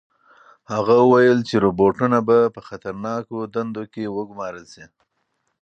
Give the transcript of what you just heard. هغه وویل چې روبوټونه به په خطرناکو دندو کې وګمارل شي.